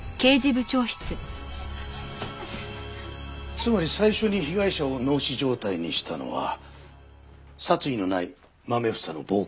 つまり最初に被害者を脳死状態にしたのは殺意のないまめ房の暴行って事か？